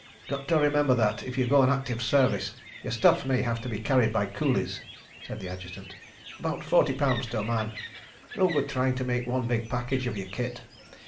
"Got to remember that, if you go on active service, your stuff may have to be carried by coolies," said the Adjutant. "About forty pounds to a man. No good trying to make one big package of your kit.